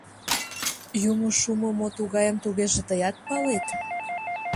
— Йӱмӧ шумо мо тугайым тугеже тыят палет?